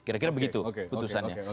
kira kira begitu putusannya